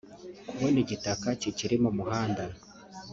Kubona igitaka kikiri mu muhanda